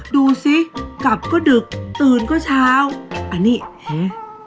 ดูสิกลับก็ดึกตื่นก็เช้าอันนี้หือ